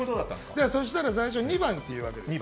そしたら最初２番っていうんです。